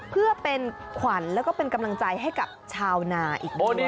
เพื่อเป็นขวัญแล้วก็เป็นกำลังใจให้กับชาวนาอีกด้วย